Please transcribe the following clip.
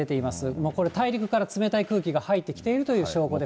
もうこれ、大陸から冷たい空気が入ってきているという証拠で。